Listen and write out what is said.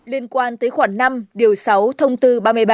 liên quan tới khoảng năm điều sáu thông tư ba mươi ba